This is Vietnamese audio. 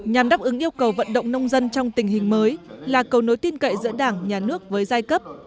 nhằm đáp ứng yêu cầu vận động nông dân trong tình hình mới là cầu nối tin cậy giữa đảng nhà nước với giai cấp